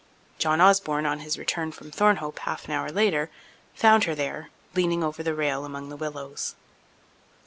John Osborne, on his return from Thornhope half an hour later, found her there, leaning over the rail among the willows.